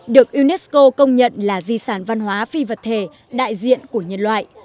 được unesco công nhận là di sản văn hóa phi vật thể đại diện của nhân loại